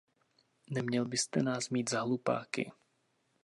Neměli byste nás mít za hlupáky.